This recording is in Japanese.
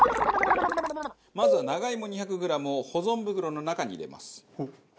まずは長芋２００グラムを保存袋の中に入れます。